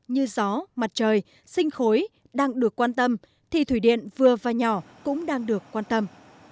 như gió mặt trời sinh khối đang được quan tâm thì thủy điện vừa và nhỏ cũng đang được quan tâm